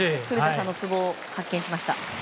古田さんのツボを発見しました。